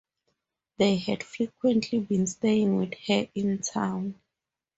They had frequently been staying with her in town.